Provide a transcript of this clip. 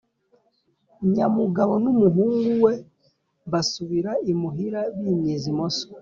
nyamugabo n'umuhungu we basubira imuhira bimyiza imoso,